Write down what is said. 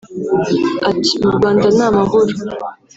Ati “Mu Rwanda ni amahoro